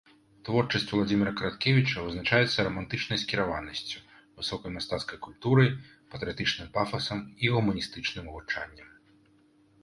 Творчасць Уладзіміра Караткевіча вызначаецца рамантычнай скіраванасцю, высокай мастацкай культурай, патрыятычным пафасам і гуманістычным гучаннем.